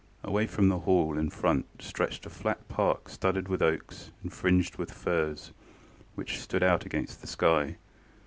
Away from the Hall in front stretched a flat park studded with oaks and fringed with firs, which stood out against the sky.